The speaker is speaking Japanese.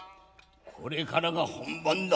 これからが本番だ」。